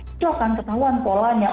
itu akan ketahuan polanya